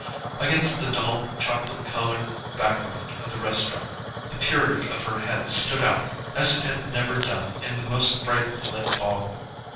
Against the dull chocolate coloured background of the restaurant, the purity of her head stood out as it had never done in the most brightly lit ball room.